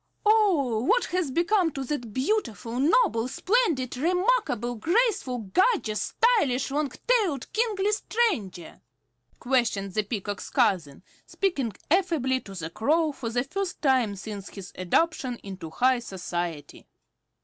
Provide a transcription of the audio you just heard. "Oh, what has become of the beautiful, noble, splendid, remarkable, graceful, gorgeous, stylish, long tailed, kingly stranger?" questioned the Peacock's cousin, speaking affably to the Crow, for the first time since his adoption into high society.